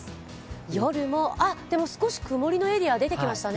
夜も、でも少し曇りのエリア、出てきましたね。